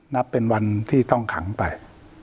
นับเป็นวันที่ต้องขังไป